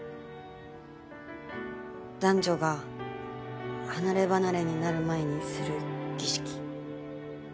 男女が離れ離れになる前にする儀式。